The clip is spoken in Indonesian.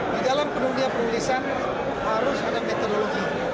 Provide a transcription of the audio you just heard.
di dalam penuhnya penulisan harus ada metodologi